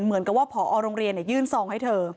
เหมือนกับว่าผอโรงเรียนยื่นซองให้เธอ